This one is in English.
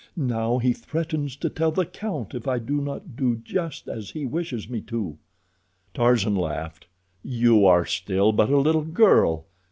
Now he threatens to tell the count if I do not do just as he wishes me to." Tarzan laughed. "You are still but a little girl.